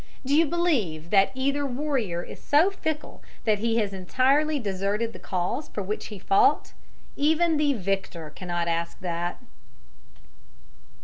Do you believe that either warrior is so fickle that he has entirely deserted the cause for which he fought? Even the victor cannot ask that.